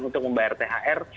untuk membayar thr